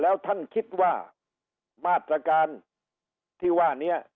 แล้วท่านคิดว่ามาตรการที่ว่านี้